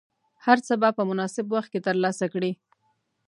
هر څه به په مناسب وخت کې ترلاسه کړې.